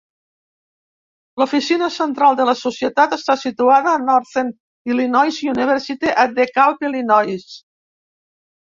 L"oficina central de la Societat està situada a Northern Illinois University a DeKalb, Illinois.